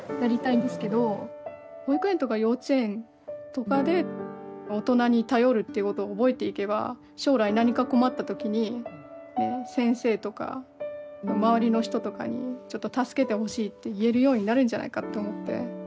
保育園とか幼稚園とかで大人に頼るっていうことを覚えていけば将来何か困った時にね先生とか周りの人とかにちょっと助けてほしいって言えるようになるんじゃないかって思って。